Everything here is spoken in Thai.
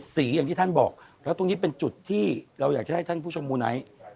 ๗สีอย่างที่ท่านบอกเพราะตรงนี้เป็นจุดที่เราอยากให้ท่านผู้ชมมูลไหน